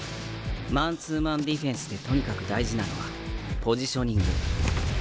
マンツーマンディフェンスでとにかく大事なのはポジショニング。